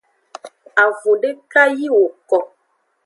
Avun deka yi woko.